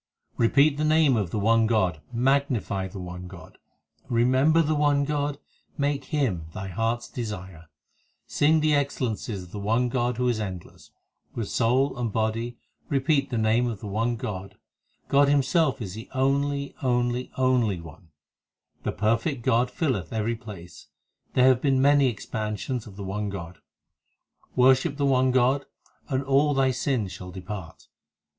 8 Repeat the name of the one God, magnify the one God, Remember the one God, make Him thy heart s desire, Sing the excellences of the one God who is endless ; With soul and body repeat the name of the one God God Himself is the only, only, only one ; The perfect God filleth every place ; There have been many expansions of the one God. 1 1 That is, there have been many creations. HYMNS OF GURU ARJAN 257 Worship the one God, and all thy sins shall depart.